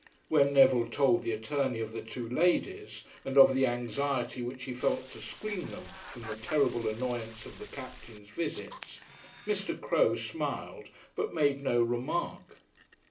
When Neville told the attorney of the two ladies, and of the anxiety which he felt to screen them from the terrible annoyance of the Captain's visits, Mr. Crowe smiled, but made no remark.